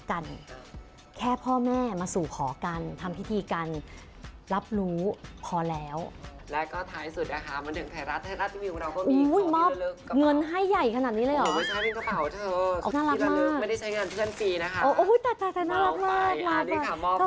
วันนี้ก็ต้องขอบคุณตุ๊กตาอุบัติวันวุณรอดมากเลยนะคะ